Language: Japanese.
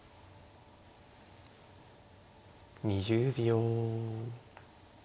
２０秒。